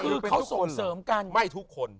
คือเขาส่งเสริมกันไม่ทุกคน